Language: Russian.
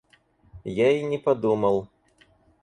Я и не подумал.